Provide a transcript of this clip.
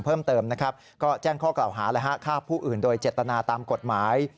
เพิ่มเติมนะครับก็แจ้งข้อกล่าวหาฆ่าผู้อื่นโดยเจตนาตามกฎหมาย